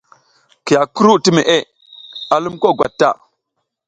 Kiya kuru ti meʼe a lum ko gwat ta.